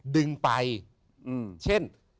ดึงไปเช่น